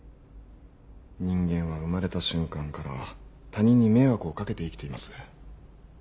人間は生まれた瞬間から他人に迷惑をかけて生きています。